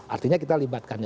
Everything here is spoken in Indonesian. artinya kita melibatkan